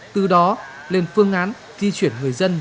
từ đó lên phương án di chuyển người dân